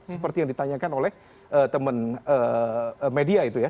seperti yang ditanyakan oleh teman media itu ya